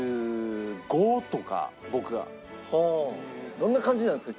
どんな感じなんですか？